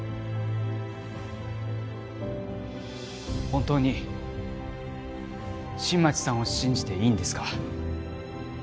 本当に新町さんを信じていいんですか？